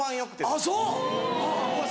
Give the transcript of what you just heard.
あっそう！